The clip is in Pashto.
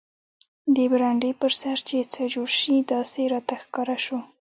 د برنډې پر سر چې څه جوړ شي داسې راته ښکاره شو.